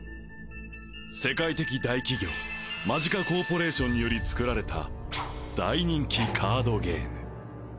世界的大企業マジカコーポレーションにより作られた大人気カードゲーム